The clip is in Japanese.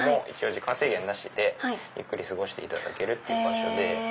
時間制限なしでゆっくり過ごしていただける場所で。